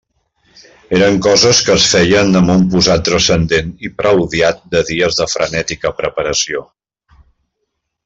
Eren coses que es feien amb un posat transcendent i preludiat de dies de frenètica preparació.